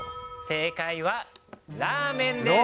正解は、ラーメンです。